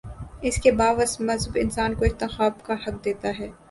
اس کے باوصف مذہب انسان کو انتخاب کا حق دیتا ہے۔